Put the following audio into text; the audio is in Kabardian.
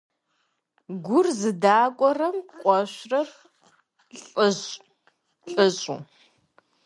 Гур зыдакӀорэм кӀошъурэр лӀышӀу.